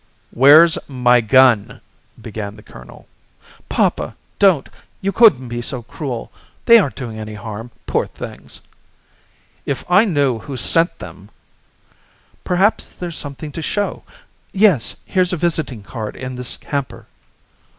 "Where's my gun?" began the colonel. "Papa, don't! You couldn't be so cruel! They aren't doing any harm, poor things!" "If I knew who sent them " "Perhaps there's something to show. Yes; here's a visiting card in this hamper."